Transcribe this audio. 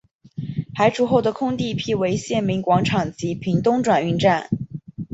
拆除后的空地辟为县民广场及屏东转运站。